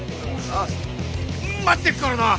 待ってっからな。